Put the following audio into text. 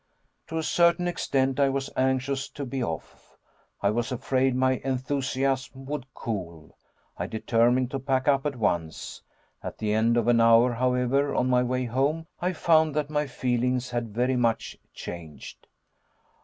To a certain extent I was anxious to be off. I was afraid my enthusiasm would cool. I determined to pack up at once. At the end of an hour, however, on my way home, I found that my feelings had very much changed.